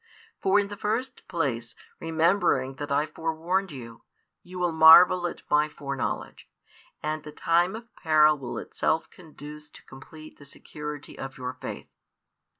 For in the first place, remembering that I forewarned you, you will marvel at My foreknowledge, and the time of peril will itself conduce to complete the security of your faith.